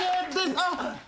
あっ。